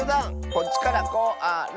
こっちから「こ・あ・ら」。